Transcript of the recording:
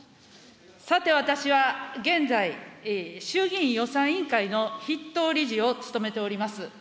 さて、私は現在、衆議院予算委員会の筆頭理事を務めております。